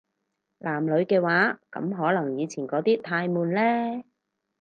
男女嘅話，噉可能以前嗰啲太悶呢